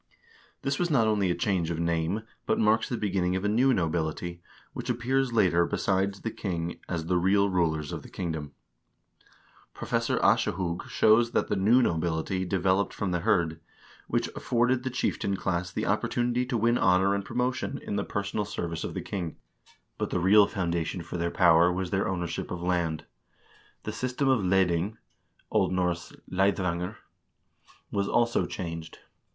This was not only a change of name, but marks the beginning of a new nobility, which appears later besides the king as the real rulers of the kingdom. Professor Aschehoug shows that the new nobility developed from the hird, which afforded the chieftain class the opportunity to win honor and promotion in the personal 1 The King's Mirror, Introduction. THE ORIGIN OF A DISTINCT COMMERCIAL POLICY 467 service of the king ; but the real foundation for their power was their ownership of land.1 The system of leding (O. N. leidangr) was also changed.